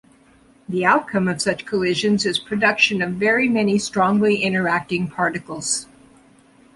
The outcome of such collisions is production of very many strongly interacting particles.